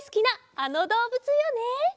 あのどうぶつよね！